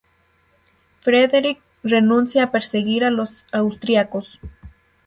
Frederic renuncia a perseguir a los austriacos.